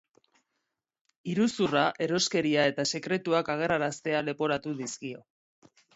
Iruzurra, eroskeria eta sekretuak agerraraztea leporatu dizkio.